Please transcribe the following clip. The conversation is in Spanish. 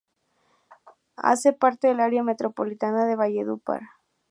Hace parte del Área metropolitana de Valledupar.